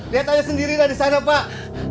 lihat aja sendiri dari sana pak